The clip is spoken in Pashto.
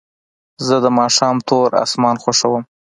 زه د ماښام تور اسمان خوښوم.